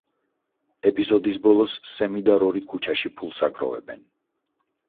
ეპიზოდის ბოლოს, სემი და რორი ქუჩაში ფულს აგროვებენ.